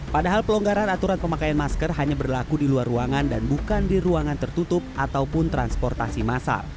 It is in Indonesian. padahal pelonggaran aturan pemakaian masker hanya berlaku di luar ruangan dan bukan di ruangan tertutup ataupun transportasi massal